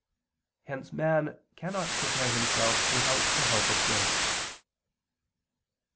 Hence man cannot prepare himself without the help of grace.